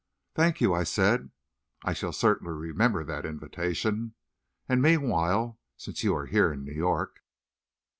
"Thank you," I said. "I shall certainly remember that invitation. And meanwhile, since you are here in New York...."